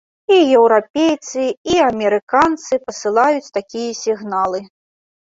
І еўрапейцы, і амерыканцы пасылаюць такія сігналы.